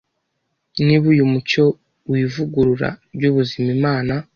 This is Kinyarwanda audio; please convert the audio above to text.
Niba uyu mucyo w’ivugurura ry’ubuzima Imana